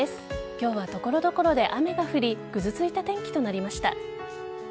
今日は所々で雨が降りぐずついた天気となりました。